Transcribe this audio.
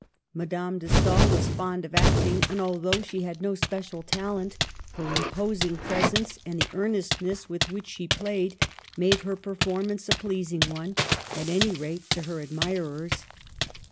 Madame de Stael was fond of acting ; and although she had no special talent, her imposing presence, and the earnestness with which she played, made her performance a pleasing one — at any rate, to her admirers.